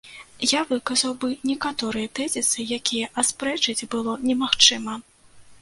Я выказаў бы некаторыя тэзісы, якія аспрэчыць было немагчыма.